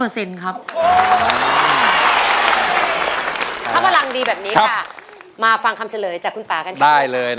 ร้องได้ร้องได้ร้องได้